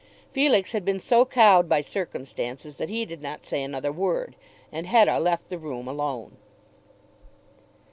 Felix had been so cowed by circumstances that he did not say another word, and Hetta left the room alone.